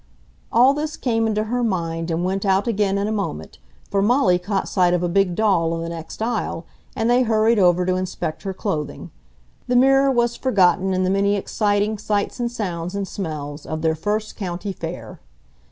All this came into her mind and went out again in a moment, for Molly caught sight of a big doll in the next aisle and they hurried over to inspect her clothing. The mirror was forgotten in the many exciting sights and sounds and smells of their first county fair.